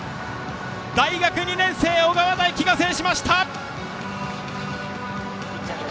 大学２年生の小川大輝が制しました！